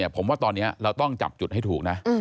ผมว่าตอนนี้เราต้องจับจุดให้ถูกนะ